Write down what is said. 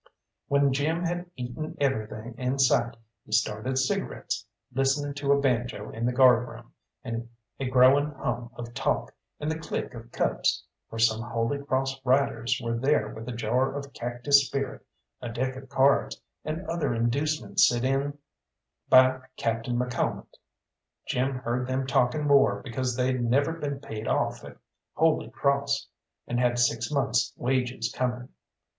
When Jim had eaten everything in sight he started cigarettes, listening to a banjo in the guardroom, a growing hum of talk, and the click of cups, for some Holy Cross riders were there with a jar of cactus spirit, a deck of cards, and other inducements sent in by Captain McCalmont. Jim heard them talking war because they'd never been paid off at Holy Cross, and had six months' wages coming.